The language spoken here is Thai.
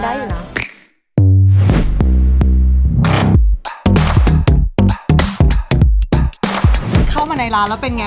เข้ามาในร้านแล้วเป็นไง